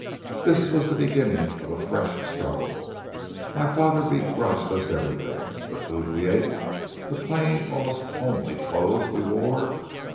"This was the beginning of a fresh struggle. My father begrudged us everything: the food we ate; the plain, almost homely, clothes we wore.